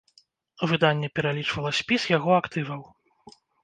Выданне пералічвала спіс яго актываў.